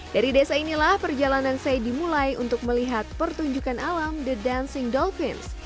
dari desa inilah perjalanan saya dimulai untuk melihat pertunjukan alam the dancing dolpins